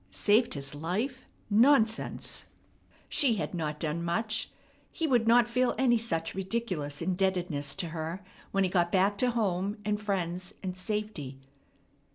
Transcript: Saved his life! Nonsense! She had not done much. He would not feel any such ridiculous indebtedness to her when he got back to home and friends and safety.